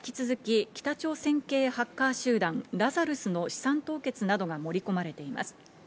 修正案には引き続き北朝鮮系ハッカー集団・ラザルスの資産凍結などが盛り込まれています。